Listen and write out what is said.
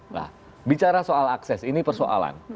nah bicara soal akses ini persoalan